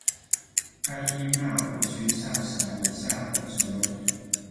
埃因纳博区下辖以下的村落：